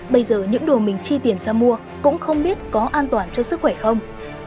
bây giờ những đồ mình chi tiền ra mua cũng không biết có an toàn cho sức khỏe không